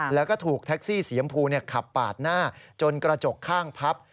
แล้วก็ถูกแท็กซี่สียำพูขับปาดหน้าจนกระจกข้างพับ